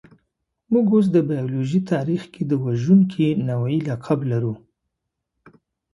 موږ اوس د بایولوژۍ تاریخ کې د وژونکي نوعې لقب لرو.